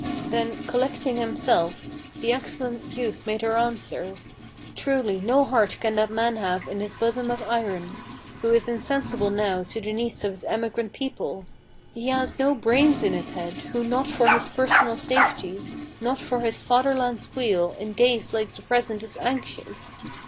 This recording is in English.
Then, collecting himself, the excellent youth made her answer: "Truly no heart can that man have in his bosom of iron, Who is insensible now to the needs of this emigrant people; He has no brains in his head, who not for his personal safety, Not for his fatherland's weal, in days like the present is anxious.